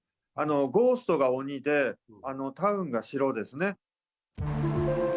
ゴーストが鬼で、タウンが城ですね。